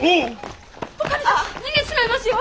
逃げちまいますよ！